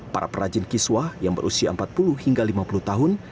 para perajin kiswah yang berusia empat puluh hingga lima puluh tahun